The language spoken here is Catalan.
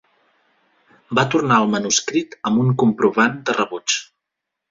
Va tornar el manuscrit amb un comprovant de rebuig.